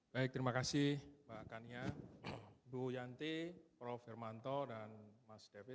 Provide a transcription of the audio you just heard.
baik terima kasih mbak kania bu yanti prof hermanto dan mas david